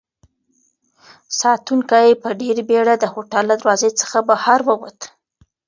ساتونکی په ډېرې بېړه د هوټل له دروازې څخه بهر ووت.